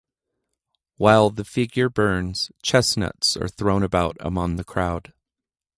While the figure burns, chestnuts are thrown about among the crowd.